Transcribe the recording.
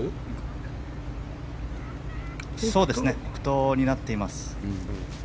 北東になっています。